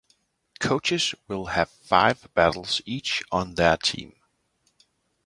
Coaches will have five battles each on their team.